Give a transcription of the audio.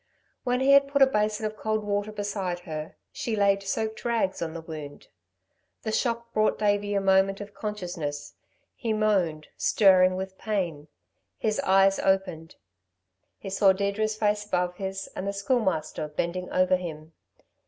When he had put a basin of cold water beside her, she laid soaked rags on the wound. The shock brought Davey a moment of consciousness. He moaned, stirring with pain. His eyes opened. He saw Deirdre's face above his and the Schoolmaster bending over him.